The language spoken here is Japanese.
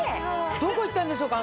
どこ行ったんでしょうか？